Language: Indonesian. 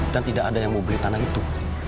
tidak ada yang mau beli tanah itu